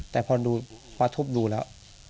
แต่พอดูพอทุบดูแล้ว